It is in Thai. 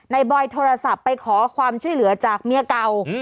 บอยโทรศัพท์ไปขอความช่วยเหลือจากเมียเก่า